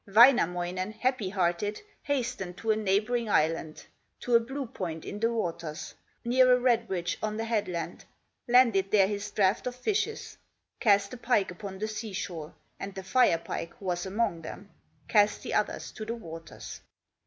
Wainamoinen, happy hearted, Hastened to a neighboring island, To a blue point in the waters, Near a red bridge on the headland; Landed there his draught of fishes, Cast the pike upon the sea shore, And the Fire pike was among them, Cast the others to the waters.